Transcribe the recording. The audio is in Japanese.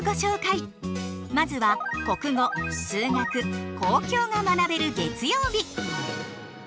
まずは国語数学公共が学べる月曜日。